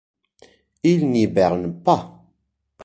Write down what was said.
Il n'hiberne pas.